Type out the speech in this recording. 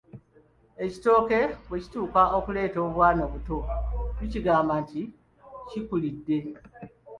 Ekitooke bwe kituuka okuleeta obwana obuto tugamba nti kikkulide.